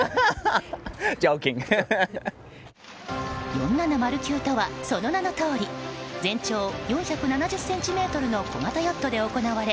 ４７０級とは、その名のとおり全長４７０ｃｍの小型ヨットで行われ